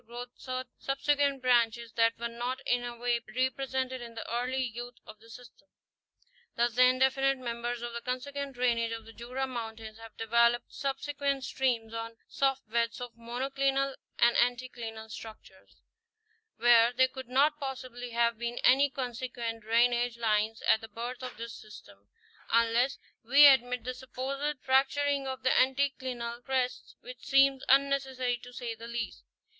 growth certain "subsequent" branches that were not in any way represented in the early youth of the system. Thus the indefinite members of the consequent drainage of the Jura mountains have developed subsequent streams on soft beds of monoclinal and anticlinal structures, where there could not possibly have been any consequent drainage lines at the birth of this system, unless we admit the supposed fracturing of the anti clinal crests, which seems unnecessary to say the least.